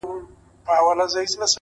مينه مني ميني څه انكار نه كوي!!